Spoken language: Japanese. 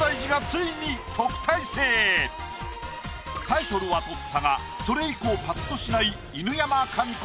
タイトルは取ったがそれ以降パッとしない。